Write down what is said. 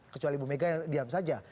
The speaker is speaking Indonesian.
kecuali ibu mega yang diam saja